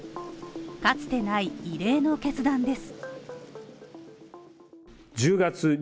かつてない異例の決断です。